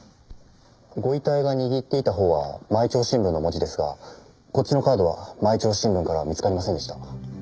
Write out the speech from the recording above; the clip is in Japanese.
ご遺体が握っていたほうは『毎朝新聞』の文字ですがこっちのカードは『毎朝新聞』からは見つかりませんでした。